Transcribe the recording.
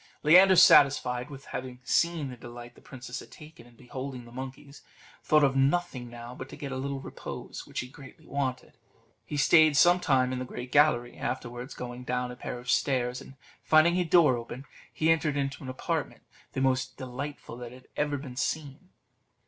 Leander, satisfied with having seen the delight the princess had taken in beholding the monkeys, thought of nothing now but to get a little repose, which he greatly wanted. He stayed some time in the great gallery; afterwards, going down a pair of stairs, and finding a door open, he entered into an apartment the most delightful that ever was seen.